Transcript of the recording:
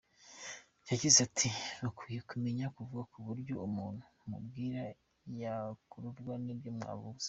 Yagize ati “Mukwiye kumenya kuvuga ku buryo umuntu mubwira yakururwa nibyo muvuze.